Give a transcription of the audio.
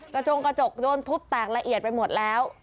จงกระจกโดนทุบแตกละเอียดไปหมดแล้ว